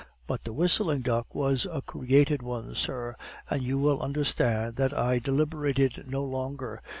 But the whistling duck was a crested one, sir, and you will understand that I deliberated no longer.